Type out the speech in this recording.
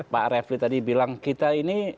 pak refli tadi bilang kita ini